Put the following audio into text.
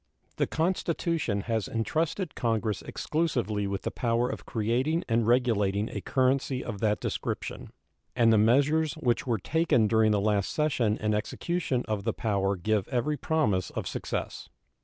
The Constitution has intrusted Congress exclusively with the power of creating and regulating a currency of that description, and the measures which were taken during the last session in execution of the power give every promise of success.